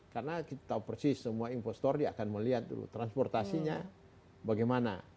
karena kita tahu persis semua investor dia akan melihat dulu transportasinya bagaimana